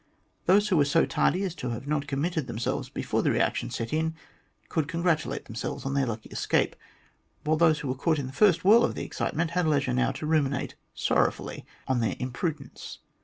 Those who were so tardy as not to have committed themselves before the reaction set in could congratulate themselves on their lucky escape, while those who were caught in the first whirl of the excitement had leisure now to ruminate sorrowfully on their imprudence.